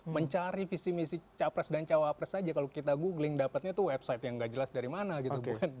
mencari visi misi capres dan cawapres saja kalau kita googling dapatnya tuh website yang gak jelas dari mana gitu